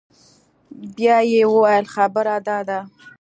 بيا يې وويل خبره دا ده.